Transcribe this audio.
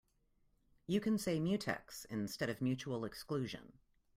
You can say mutex instead of mutual exclusion.